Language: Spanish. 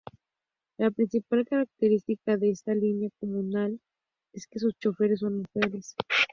La principal característica de esta línea comunal es que sus choferes son mujeres.